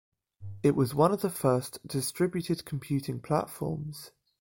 It was one of the first distributed computing platforms.